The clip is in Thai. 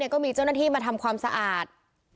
ก็มีเจ้าหน้าที่มาทำความสะอาด